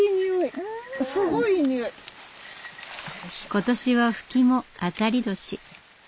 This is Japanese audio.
今年はフキも当たり年。